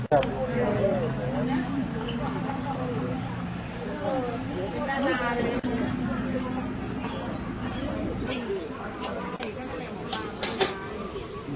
ไม่รู้อะ